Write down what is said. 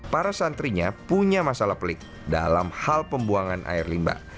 para santrinya punya masalah pelik dalam hal pembuangan air limba